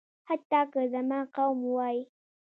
حتی که زما قوم وايي.